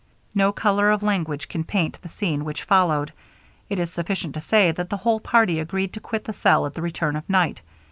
No colour of language can paint the scene which followed; it is sufficient to say that the whole party agreed to quit the cell at the return of night.